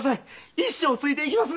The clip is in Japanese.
一生ついていきます！